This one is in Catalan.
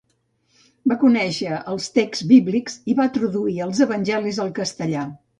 Va conèixer els texts bíblics i va traduir els evangelis al castellà.